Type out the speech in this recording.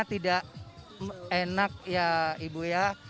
tidak enak ya ibu ya